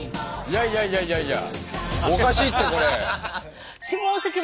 いやいやいやいや。